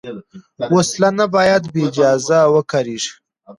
وسله نه باید بېاجازه وکارېږي